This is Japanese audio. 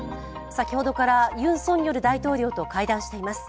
先ほどからユン・ソンニョル大統領と会談しています。